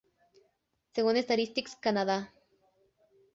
Según Statistics Canada.